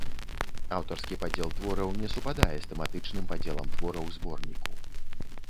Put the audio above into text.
Аўтарскі падзел твораў не супадае з тэматычным падзелам твораў зборніку.